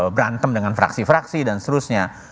berantem dengan fraksi fraksi dan seterusnya